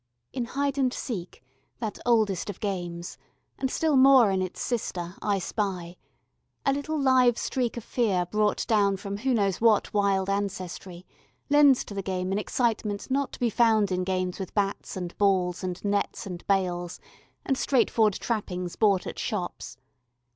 In hide and seek, that oldest of games, and still more in its sister "I spy," a little live streak of fear brought down from who knows what wild ancestry lends to the game an excitement not to be found in games with bats and balls and nets and bails and straightforward trappings bought at shops.